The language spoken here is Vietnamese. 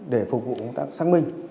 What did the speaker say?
để phục vụ công tác xác minh